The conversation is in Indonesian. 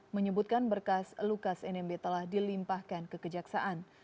menyebutkan berkas lukas nmb telah dilimpahkan kekejaksaan